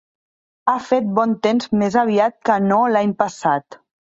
Ha fet bon temps més aviat que no l'any passat.